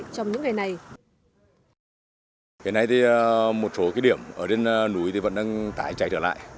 chính vì vậy